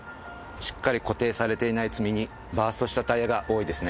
しっかり固定されていない積み荷バーストしたタイヤが多いですね。